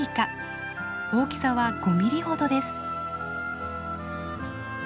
大きさは５ミリほどです。